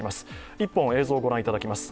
１本映像をご覧いただきます。